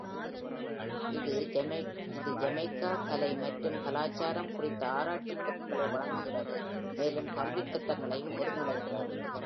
இது ஜமைக்கா கலை மற்றும் கலாச்சாரம் குறித்த ஆராய்ச்சிப் பொருட்களை வழங்குகிறது, மேலும் கல்வித் திட்டங்களையும் ஒருங்கிணைக்கிறது.